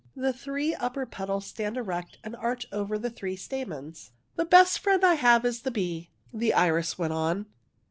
The three upper petals stand erect and arch over the three stamens. '' The best friend I have is the bee," the iris went on.